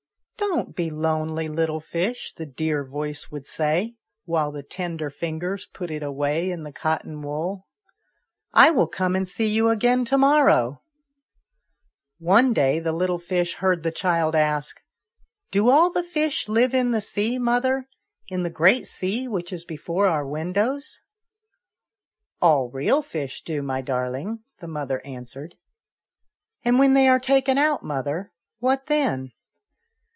" Don't be lonely, little fish," the dear voice would say, while the tender fingers put it away in the cotton wool. "I will come and see you again to morrow." One day the little fish heard the child ask " Do all fish live in the sea, mother in the great sea which is before our windows ?"" All real fish do, my darling," the mother answered. "And when they are taken out, mother, what then